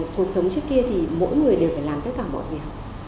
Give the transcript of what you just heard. cuộc sống trước kia thì mỗi người đều phải làm tất cả mọi việc